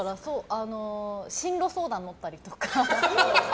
進路相談に乗ったりとか。